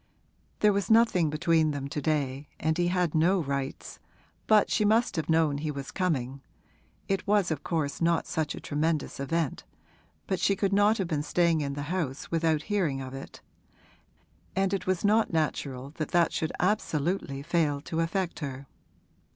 There was nothing between them to day and he had no rights, but she must have known he was coming (it was of course not such a tremendous event, but she could not have been staying in the house without hearing of it), and it was not natural that that should absolutely fail to affect her.